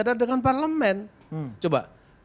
ada dengan parlemen coba